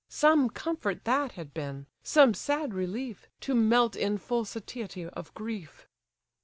Some comfort that had been, some sad relief, To melt in full satiety of grief!"